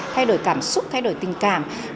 thay đổi cảm xúc thay đổi tình cảm